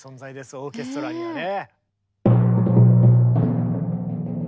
オーケストラにはね。